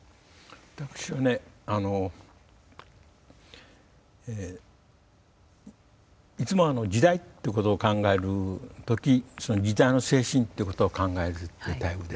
私はねあのいつも時代っていうことを考えるときその時代の精神っていうことを考えるというタイプです。